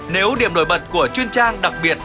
nếu điểm nổi bật của chuyên trang đặc biệt